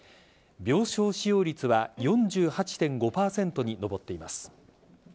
病床使用率は４８．５％に上っています。